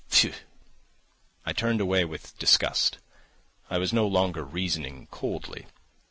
Phew!" I turned away with disgust; I was no longer reasoning coldly.